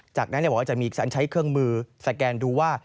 จากนั้นบอกว่าจะมีการใช้เครื่องมือสแกนดูว่า